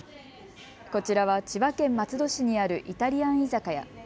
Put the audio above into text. こちらは千葉県松戸市にあるイタリアン居酒屋。